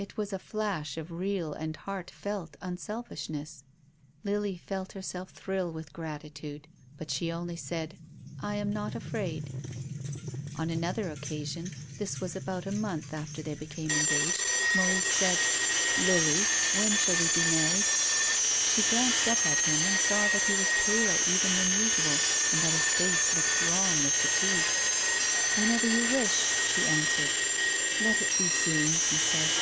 It was a flash of real and heartfelt unselfishness. Lily felt herself thrill with gratitude. But she only said :" I am not afraid." On another occasion — this was about a month after they became engaged — Maurice said :" Lily, when shall we be married? " THE DEAD CHILD. 219 She glanced up at him, and saw that he was paler even than usual, and that his face looked drawn with fatigue. *' Whenever vou wish," she answered. "Let it be soon," he said.